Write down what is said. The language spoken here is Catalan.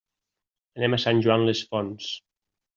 Anem a Sant Joan les Fonts.